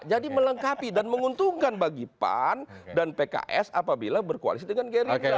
jadi melengkapi dan menguntungkan bagi pan dan pks apabila berkoalisi dengan gerindra